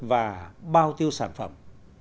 và bao tiêu sản phẩm